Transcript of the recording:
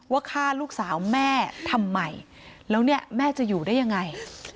ว่าฆ่าลูกสาวแม่ทำไมแล้วเนี่ยแม่จะอยู่ได้ยังไง